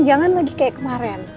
jangan lagi kayak kemarin